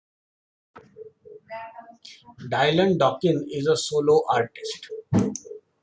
Dylan Donkin is a solo artist.